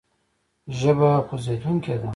ژبه خوځېدونکې ده.